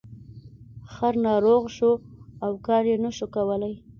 خر ناروغ شو او کار یې نشو کولی.